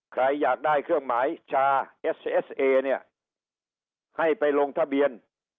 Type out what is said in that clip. ใครอยากได้เครื่องหมายชาเอสเอสเอเนี่ยให้ไปลงทะเบียน